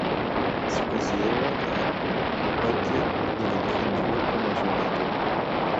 Se considera a Hipatia de Alejandría como su inventora.